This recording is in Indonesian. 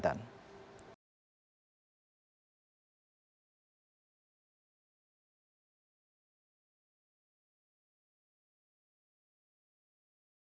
di rang rang banten